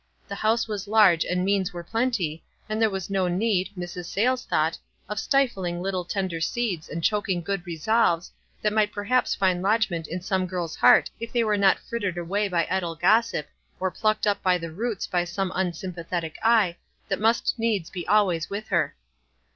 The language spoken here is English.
The house was large aud means were plenty, and there was no need, Mrs. Sayles thought, of stifling little ten 150 WISE AND OTHEHWISE. der seeds and choking good resolves, that might perhaps find lodgment in some girl's he ait if they were not frittered away by idle gossip, or plucked up by the roots by some unsympathetic eye, that must needs be always with her.